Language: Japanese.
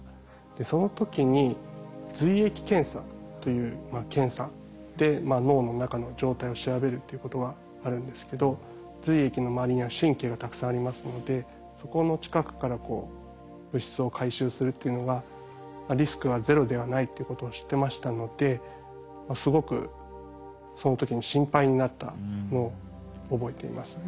その時に髄液検査という検査で脳の中の状態を調べるっていうことがあるんですけど髄液の周りには神経がたくさんありますのでそこの近くから物質を回収するっていうのがリスクはゼロではないっていうことを知ってましたのですごくその時に心配になったのを覚えています。